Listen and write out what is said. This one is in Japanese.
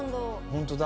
ホントだ。